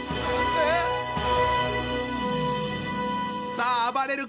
さああばれる